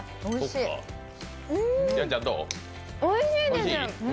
おいしいです！